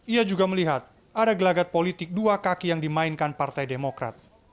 ia juga melihat ada gelagat politik dua kaki yang dimainkan partai demokrat